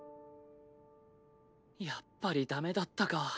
やっぱりダメだったか。